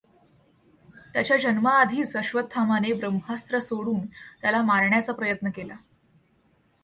त्याच्या जन्माआधीच अश्वत्थामाने ब्रह्मास्त्र सोडून त्याला मारण्याचा प्रयत् न केला.